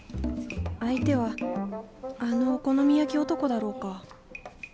相手はあの「お好み焼き男」だろうか。